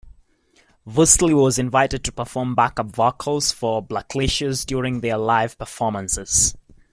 Vursatyl was invited to perform backup vocals for Blackalicious during their live performances.